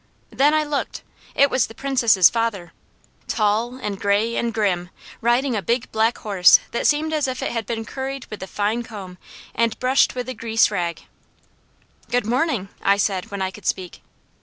Then I looked. It was the Princess' father, tall, and gray, and grim, riding a big black horse that seemed as if it had been curried with the fine comb and brushed with the grease rag. "Good morning!" I said when I could speak.